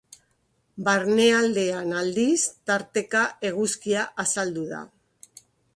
Barnealdean aldiz, tarteka eguzkia azaldu da.